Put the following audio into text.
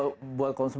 oh bagus bagus